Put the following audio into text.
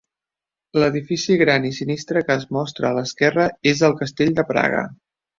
L'edifici gran i sinistre que es mostra a l'esquerra és el castell de Praga.